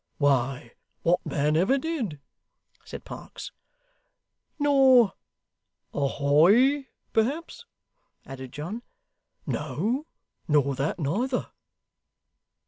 'Why, what man ever did?' said Parkes. 'Nor "ahoy," perhaps?' added John. 'No. Nor that neither.